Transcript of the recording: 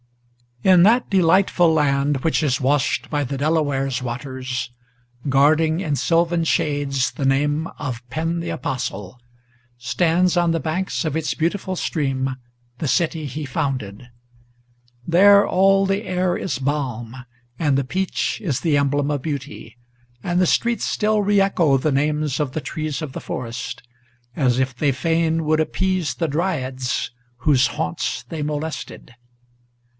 IN that delightful land, which is washed by the Delaware's waters, Guarding in sylvan shades the name of Penn the apostle. Stands on the banks of its beautiful stream the city he founded. There all the air is balm, and the peach is the emblem of beauty, And the streets still re echo the names of the trees of the forest, As if they fain would appease the Dryads whose haunts they molested.